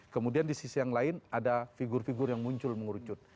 kemudian di sisi yang lain ada figur figur yang muncul mengurucut